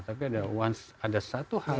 tapi ada satu hal